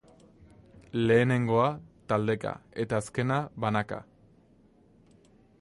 Lehenengoa, taldeka, eta azkena, banaka.